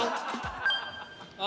あ！